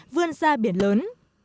gần xa biển lớn